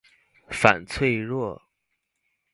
反脆弱